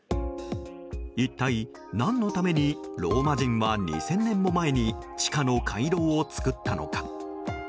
一体、何のためにローマ人は２０００年も前に地下の回廊を造ったのか？